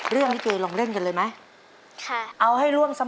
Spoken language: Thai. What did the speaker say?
เรื่องลิเก่ลองเล่นกันเลยไหม